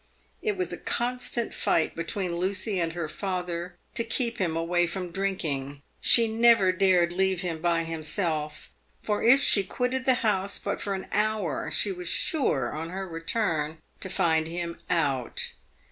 It was a constant fight between Lucy and her father to keep him away from drinking. She never dared leave him by himself, for if she quitted the house but for an hour, she was sure, on her return, to find him out.